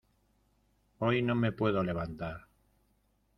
Hoy no me puedo levantar.